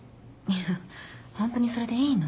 ホントにそれでいいの？